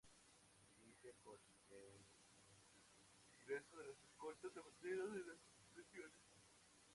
Inicia con el ingreso de las escoltas de bandera de las instituciones.